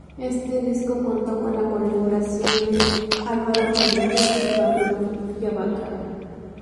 Este disco contó con la colaboración de Álvaro Henríquez y Pablo Ilabaca.